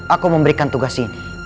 aku memberikan tugas ini